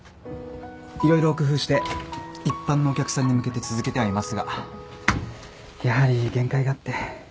色々工夫して一般のお客さんに向けて続けてはいますがやはり限界があって。